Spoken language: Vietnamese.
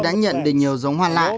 đã nhận được nhiều giống hoa lạ